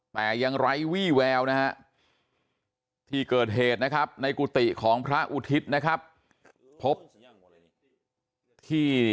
แต่ยังไร้วี่แววที่เกิดเหตุในกุฏิของพระอุทฤษฐ์